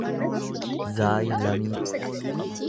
zaayilamii